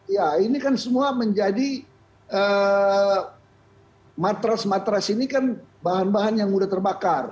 ya ini kan semua menjadi matras matras ini kan bahan bahan yang mudah terbakar